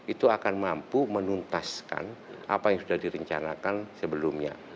itu akan mampu menuntaskan apa yang sudah direncanakan sebelumnya